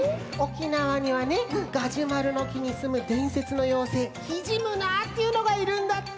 沖縄にはねガジュマルのきにすむでんせつの妖精キジムナーっていうのがいるんだって！